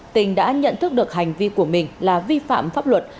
tình đã nhận thức được hành vi của mình là vi phạm pháp luật